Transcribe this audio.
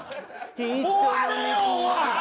終われよおい！